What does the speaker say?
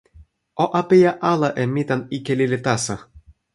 o apeja ala e mi tan ike lili taso!